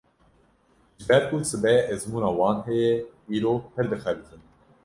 Ji ber ku sibê ezmûna wan heye, îro pir dixebitin.